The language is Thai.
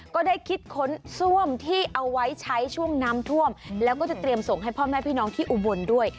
ก็ได้คิดค้นซ่วมที่เอาไว้ใช้ช่วงน้ำท่วมแล้วก็จะเตรียมส่งให้พ่อแม่พี่น้องที่อุบลด้วย